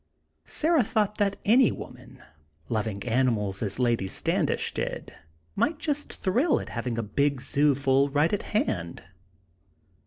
Sarah thought that any woman, loving animals as Lady Standish did, might just thrill at having a big zoo ful right at hand.